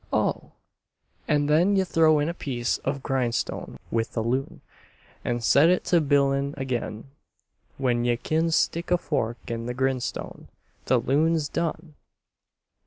"Oh!" "An' then ye throw in a piece of grin'stone with the loon, and set it to bilin' again. When ye kin stick a fork in the grin'stone, the loon's done!"